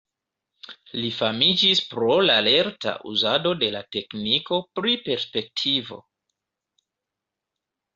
Li famiĝis pro la lerta uzado de la tekniko pri perspektivo.